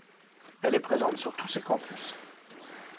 Elle est présente sur tous ses campus.